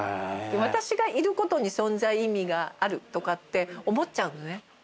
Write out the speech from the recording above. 私がいることに存在意味があるとかって思っちゃうのね。